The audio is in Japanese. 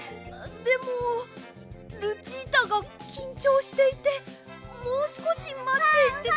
でもルチータがきんちょうしていてもうすこしまって。